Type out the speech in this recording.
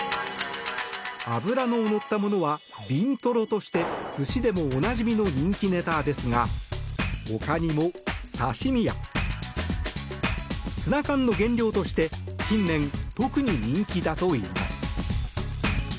脂の乗ったものはビントロとして寿司でもおなじみの人気ネタですがほかにも刺し身やツナ缶の原料として近年、特に人気だといいます。